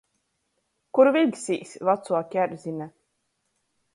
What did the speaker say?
Kur viļksīs, vacuo kerzine?